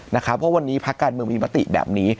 เพราะวันนี้พักการเมืองมีมติแบบนี้